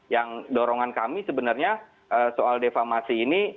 yang dorongan kami sebenarnya soal defamasi ini